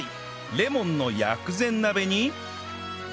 レモンの薬膳鍋に